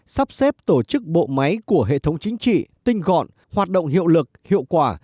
sắp xếp tổ chức bộ máy của hệ thống chính trị tinh gọn hoạt động hiệu lực hiệu quả